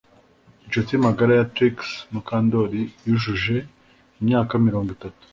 Inshuti magara ya Trix Mukandoli yujuje imyaka mirongo itatu